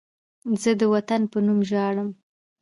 زه د وطن په نوم ژاړم